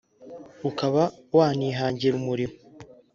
ukaba wanihangira umurimo